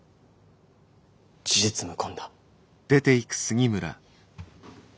事実無根だ。